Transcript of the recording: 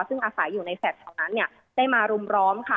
ซึ่งอาศัยอยู่ในแฟลต์แถวนั้นได้มารุมร้อมค่ะ